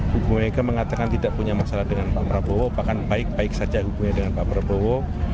bu mega mengatakan tidak punya masalah dengan pak prabowo bahkan baik baik saja hubungannya dengan pak prabowo